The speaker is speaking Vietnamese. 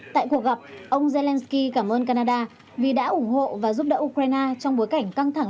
tại cuộc gặp ông zelensky cảm ơn canada vì đã ủng hộ và giúp đỡ ukraine trong bối cảnh căng thẳng